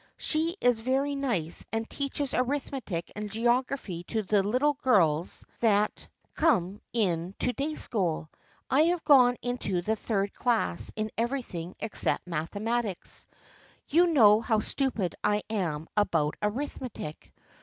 She is very nice and teaches arithmetic and geography to the little girls that 34 THE FRIENDSHIP OF ANNE come in to day school. I have gone into the third class in everything except mathematics. You know how stupid I am about arithmetic.